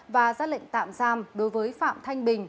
và ra lệnh tạm giam đối với phạm thanh bình